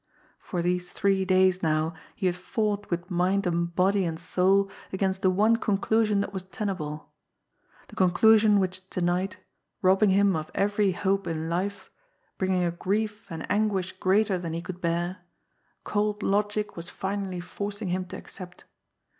For these three days now he had fought with mind and body and soul against the one conclusion that was tenable the conclusion which to night, robbing him of every hope in life, bringing a grief and anguish greater than he could bear, cold logic was finally forcing him to accept.